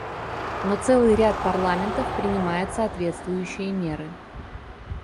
Но целый ряд парламентов принимает соответствующие меры.